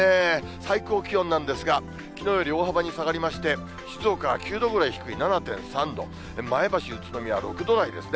最高気温なんですが、きのうより大幅に下がりまして、静岡は９度くらい低い７．３度、前橋、宇都宮、６度台ですね。